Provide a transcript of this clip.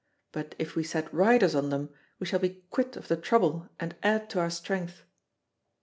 But if we set riders on them, we shall be quit of the trouble and add to our strength.